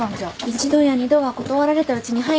一度や二度は断られたうちに入んないんだよ。